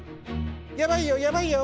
やばいよやばいよ！